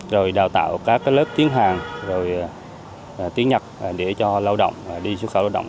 rồi đào tạo các lớp tiếng hàn rồi tiếng nhật để cho lao động đi xuất khẩu lao động